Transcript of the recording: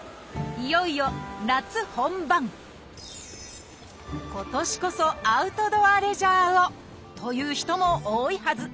いよいよ夏本番今年こそアウトドアレジャーを！という人も多いはず。